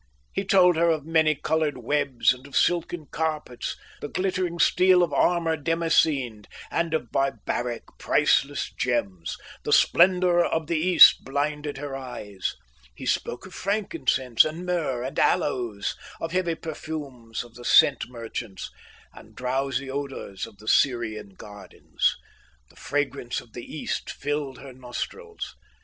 He told her of many coloured webs and of silken carpets, the glittering steel of armour damascened, and of barbaric, priceless gems. The splendour of the East blinded her eyes. He spoke of frankincense and myrrh and aloes, of heavy perfumes of the scent merchants, and drowsy odours of the Syrian gardens. The fragrance of the East filled her nostrils.